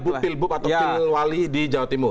untuk pilbub atau pilwali di jawa timur